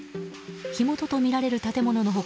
火元とみられる建物の他